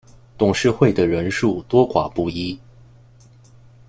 董事会的人数多寡不一。